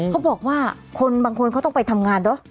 เขาบอกว่าคนบางคนเขาต้องไปทำงานเนอะ